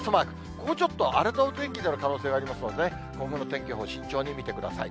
ここちょっと荒れたお天気になる可能性がありますのでね、今後の天気予報を慎重に見てください。